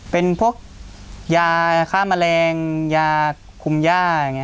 เป็นพวกยาฆ่าแมลงยาคุมย่า